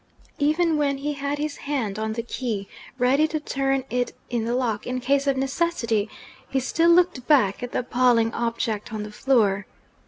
Even when he had his hand on the key, ready to turn it in the lock in case of necessity, he still looked back at the appalling object on the floor.